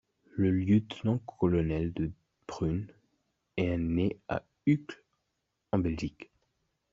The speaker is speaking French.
Le lieutenant-colonel De Bruyn est né à Uccle, en Belgique.